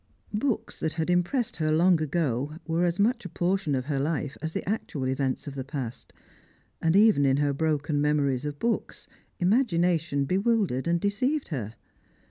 Books that had impressed her long ago were as much a portion of her life as the actual events of the past ; and even in her broken memories of books, imagination bewildered and deceived her.